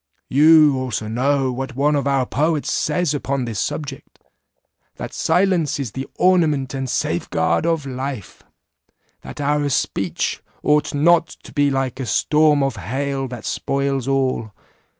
You also know what one of our poets says upon this subject, 'That silence is the ornament and safe guard of life'; That our speech ought not to be like a storm of hail that spoils all.